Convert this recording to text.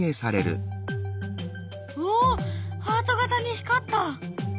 おっハート形に光った！